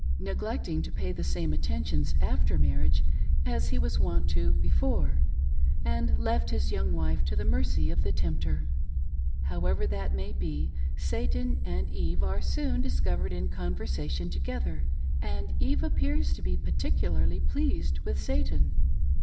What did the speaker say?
— neglecting to pay the same attentions after marriage as he was wont to before — and left his young wife to the mercy of the tempter. However that may be, Satan and Eve are soon discovered in conversation together, and Eve appears to be particularly pleased with Satan.